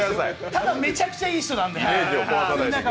ただ、めちゃくちゃいい人なんで！